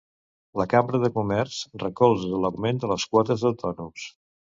La Cambra de Comerç recolza l'augment de les quotes d'autònoms.